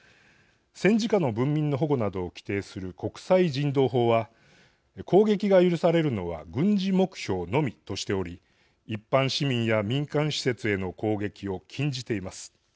戦時下の文民の保護などを規定する国際人道法は攻撃が許されるのは軍事目標のみとしており一般市民や民間施設への攻撃を禁じています。